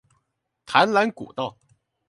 淡蘭古道